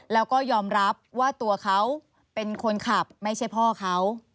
แล้วก็ยอมรับว่าตัวเขาเป็นคนขับไม่ใช่พ่อเขา